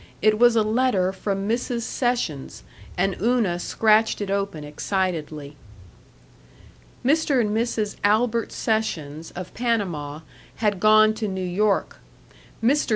It was a letter from Mrs. Sessions, and Una scratched it open excitedly. Mr. and Mrs. Albert Sessions, of Panama, had gone to New York. Mr.